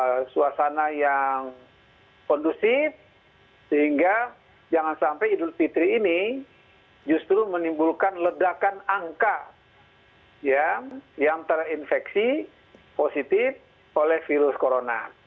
ini adalah suasana yang kondusif sehingga jangan sampai idul fitri ini justru menimbulkan ledakan angka yang terinfeksi positif oleh virus corona